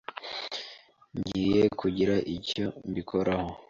Ngiye kugira icyo mbikoraho.